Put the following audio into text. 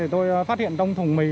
tôi phát hiện trong thùng mì